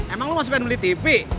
emang lo masih pengen beli tv